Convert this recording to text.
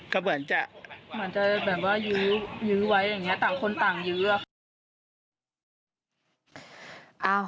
เหมือนจะยื้อไว้อย่างนี้ต่างคนต่างยื้อ